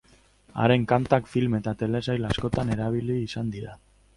Haren kantak film eta telesail askotan erabili izan dira.